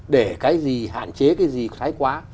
để cái gì hạn chế cái gì thái quá